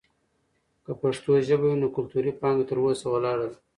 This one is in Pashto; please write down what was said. که پښتو ژبه وي، نو کلتوري پانګه تر اوسه ولاړه ده.